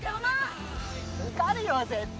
受かるよ絶対。